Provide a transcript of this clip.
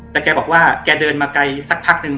แต่แกบอกว่าแกเดินมาไกลสักพักนึง